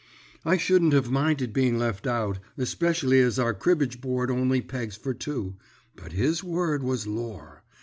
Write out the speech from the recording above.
"I shouldn't have minded being left out, especially as our cribbage board only pegs for two, but his word was lore.